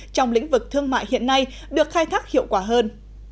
trong lĩnh vực thương mại hiện nay được khai thác hiệu quả hơn